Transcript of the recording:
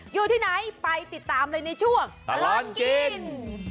อยู่ที่ไหนไปติดตามเลยในช่วงตลอดกิน